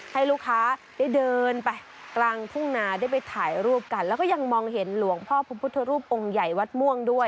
ให้ลูกค้าได้เดินไปกลางทุ่งนาได้ไปถ่ายรูปกันแล้วก็ยังมองเห็นหลวงพ่อพระพุทธรูปองค์ใหญ่วัดม่วงด้วย